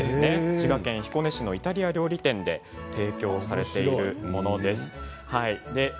滋賀県彦根市のイタリア料理店で提供されているものです。